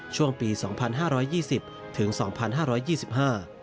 ช่วงปีสองพันห้าร้อยยี่สิบถึงสองพันห้าร้อยยี่สิบห้า